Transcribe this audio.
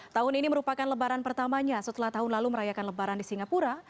tahun ini merupakan lebaran pertamanya setelah tahun lalu merayakan lebaran di singapura